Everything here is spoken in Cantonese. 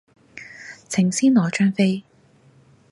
請先攞張飛